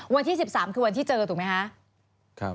วันที่๑๓คือวันที่เจอถูกไหมคะ